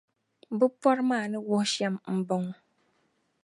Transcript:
Bɛ pɔri maa ni wuhi shɛm m-bɔŋɔ: